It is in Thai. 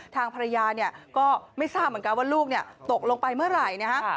ทางภรรยาเนี่ยก็ไม่ทราบเหมือนกันว่าลูกตกลงไปเมื่อไหร่นะฮะ